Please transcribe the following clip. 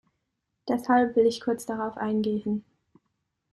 Deshalb will ich kurz darauf eingehen.